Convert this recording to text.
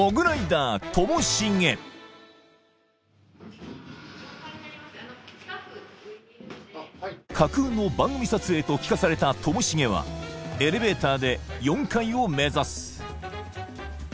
あのスタッフ上にいるので架空の番組撮影と聞かされたともしげはエレベーターで４階を目指す